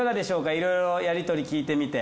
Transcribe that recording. いろいろやりとり聞いてみて。